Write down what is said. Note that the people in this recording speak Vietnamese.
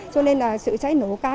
cho nên là sự cháy nổ cao